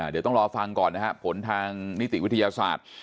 เดี๋ยวต้องรอฟังก่อนนะครับผลทางนิติวิทยาศาสตร์